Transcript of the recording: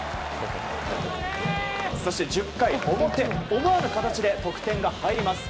そして１０回表、思わぬ形で得点が入ります。